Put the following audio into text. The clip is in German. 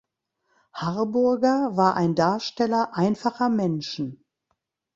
Harburger war ein Darsteller einfacher Menschen.